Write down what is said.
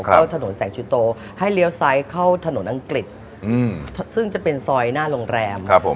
เข้าถนนแสงชูโตให้เลี้ยวซ้ายเข้าถนนอังกฤษซึ่งจะเป็นซอยหน้าโรงแรม